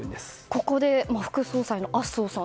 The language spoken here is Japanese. ここで副総裁の麻生さん。